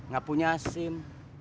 gak punya sim